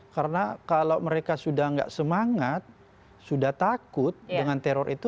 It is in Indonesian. karena kalau mereka sudah tidak semangat sudah takut dengan teror itu